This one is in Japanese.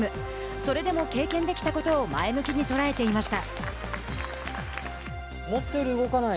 それでも経験できたことを前向きに捉えていました。